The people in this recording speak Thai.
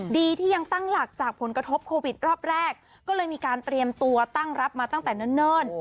ดีที่ยังตั้งหลักจากผลกระทบโควิดรอบแรกก็เลยมีการเตรียมตัวตั้งรับมาตั้งแต่เนิ่น